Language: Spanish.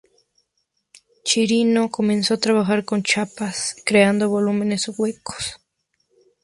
Chirino comenzó a trabajar con chapas, creando volúmenes huecos.